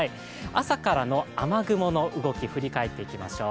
朝からの雨雲の動きを振り返っていきましょう。